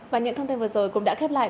và những thông tin vừa rồi cũng đã khép lại